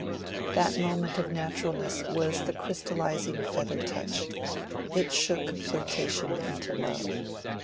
That moment of naturalness was the crystallizing feather touch: it shook flirtation into love.